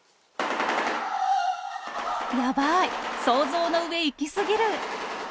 やばい、想像の上行き過ぎる。